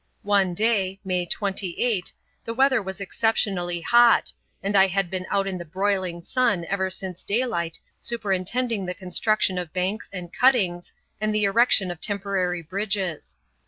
One day (May 28) the weather was exceptionally hot, and I had been out in the broiling sun ever since daylight superintending the construction of banks and cuttings and the erection of temporary bridges.